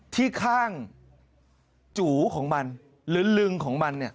ที่ข้างจูของมันหรือลึงของมันเนี่ย